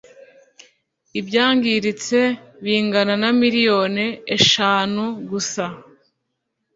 Ibyangiritse bingana na miliyoni eshanu gusa